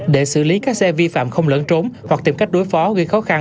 để xử lý các xe vi phạm không lẫn trốn hoặc tìm cách đối phó gây khó khăn